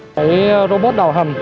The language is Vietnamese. cái robot đảo hầm